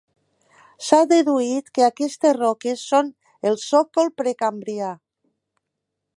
S’ha deduït que aquestes roques són el sòcol precambrià.